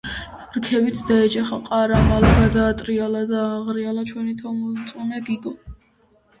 რქებით დაეჯახა, ყირამალა გადაატრიალა და ააღრიალა ჩვენი თავმომწონე გიგო.